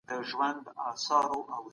آیا شخصي ملکیت فطري حق نه دی؟